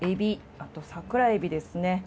あと桜エビですね。